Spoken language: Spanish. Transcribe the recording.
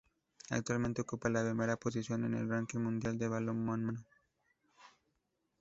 Actualmente ocupa la primera posición en el ranking mundial de balonmano